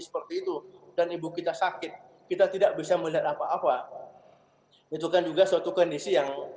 seperti itu dan ibu kita sakit kita tidak bisa melihat apa apa itu kan juga suatu kondisi yang